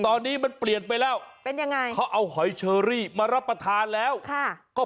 ตอนนี้มันเปลี่ยนไปแล้วเป็นยังไงเขาเอาหอยเชอรี่มารับประทานแล้วก็